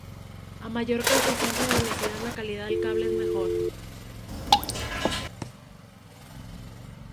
A mayor coeficiente de velocidad, la calidad del cable es mejor.